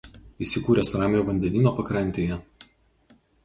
Įsikūręs Ramiojo vandenyno pakrantėje.